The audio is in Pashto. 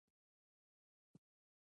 که تکرار وي نو زده کړه نه هېریږي.